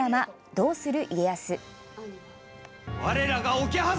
「どうする家康」。